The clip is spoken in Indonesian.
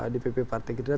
di pp partai gerinda